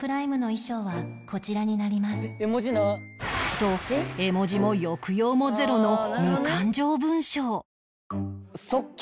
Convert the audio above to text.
と絵文字も抑揚もゼロの無感情文章